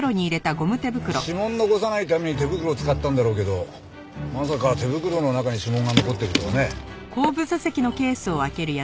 指紋残さないために手袋使ったんだろうけどまさか手袋の中に指紋が残ってるとはね。